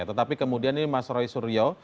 tetapi kemudian ini mas roy suryo